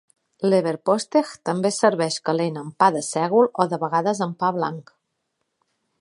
Leverpostej també es serveix calent en pa de sègol, o de vegades en pa blanc.